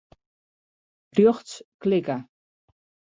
Rjochts klikke.